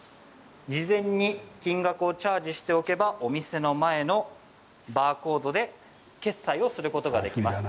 事前に金額をチャージしておけばお店の前のバーコードで決済をすることができます。